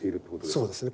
そうですね。